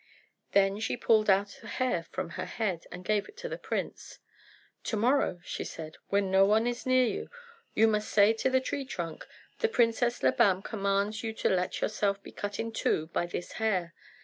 Then she pulled out a hair from her head, and gave it to the prince. "To morrow," she said, "when no one is near you, you must say to the tree trunk, 'The Princess Labam commands you to let yourself be cut in two by this hair.'